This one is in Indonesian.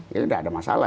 ini tidak ada masalah